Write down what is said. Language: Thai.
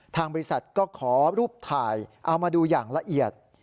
ทางบริษัทก็ขอรูปถ่ายเอามาดูอย่างละเอียด